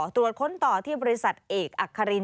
ตรวจค้นต่อที่บริษัทเอกอัคริน